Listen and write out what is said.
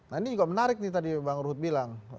nah ini juga menarik nih tadi bang ruhut bilang